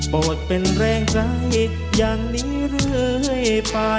โปรดเป็นแรงร้ายอย่างนี้เรื่อยไป